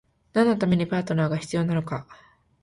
何のためにパートナーが必要なのか？